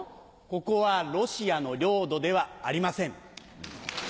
ここはロシアの領土ではありません。